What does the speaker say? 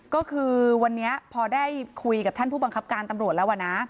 ก็คือวันนี้พอได้คุยกับท่านผู้บังคับการตำรวจแล้วนะ